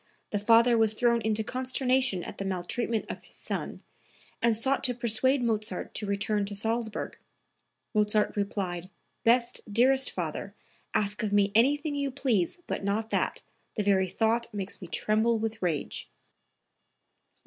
The father was thrown into consternation at the maltreatment of his son and sought to persuade Mozart to return to Salzburg. Mozart replied: "Best, dearest father, ask of me anything you please but not that; the very thought makes me tremble with rage.") 136.